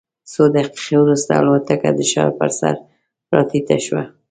څو دقیقې وروسته الوتکه د ښار پر سر راټیټه شوه.